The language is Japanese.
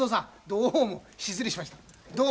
どうも失礼しました。